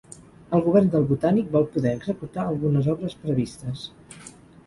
El govern del Botànic vol poder executar algunes obres previstes